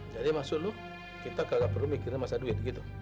jadi maksud lu kita gak perlu mikirin masa duit gitu